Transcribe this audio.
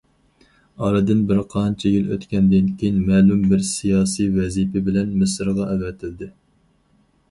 ئارىدىن بىر قانچە يىل ئۆتكەندىن كېيىن مەلۇم بىر سىياسىي ۋەزىپە بىلەن مىسىرغا ئەۋەتىلدى.